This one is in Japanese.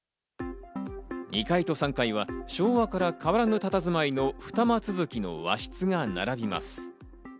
２階と３階は昭和から変わらぬたたずまいの、ふた間続きの和室が並びます。